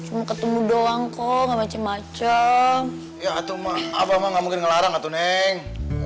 ikut abah cuma ketemu doang kok macem macem ya tuh mah abang nggak mungkin ngelarang atau neng